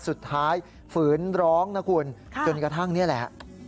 ฝืนร้องนะคุณจนกระทั่งนี่แหละ